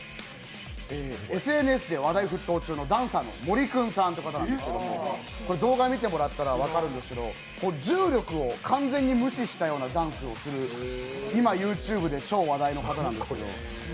ＳＮＳで話題沸騰中のダンサーの森君さんという人なんですけど動画見てもらったら分かるんですけど重力を完全に無視したダンスをする今ＹｏｕＴｕｂｅで超話題の方なんですけど。